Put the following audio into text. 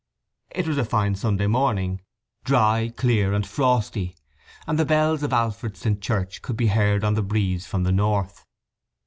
It was a fine Sunday morning, dry, clear and frosty, and the bells of Alfredston Church could be heard on the breeze from the north.